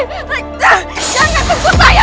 jangan tunggu saya